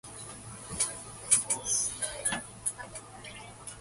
Henry Lowther was his younger brother.